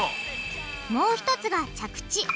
もう一つが着地。